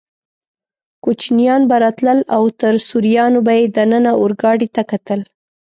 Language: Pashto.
کوچنیان به راتلل او تر سوریانو به یې دننه اورګاډي ته کتل.